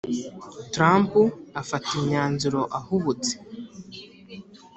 trump afata imyanzuro ahubutse